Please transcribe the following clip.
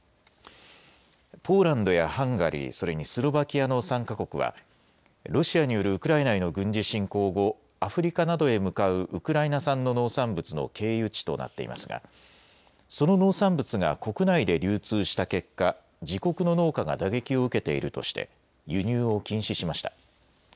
ポーランドやハンガリー、それにスロバキアの３か国はロシアによるウクライナへの軍事侵攻後、アフリカなどへ向かうウクライナ産の農産物の経由地となっていますがその農産物が国内で流通した結果、自国の農家が打撃を受けているとして輸入を禁止しました。